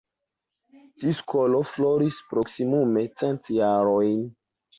Tiu skolo floris proksimume cent jarojn.